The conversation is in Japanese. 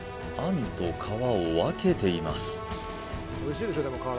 餡と皮を分けています